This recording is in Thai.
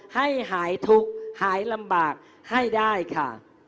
ให้หายทุกข์หายลำบากให้ได้ค่ะ